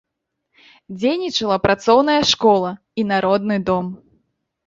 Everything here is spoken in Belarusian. Дзейнічала працоўная школа і народны дом.